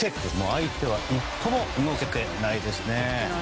相手は一歩も動けてないですね。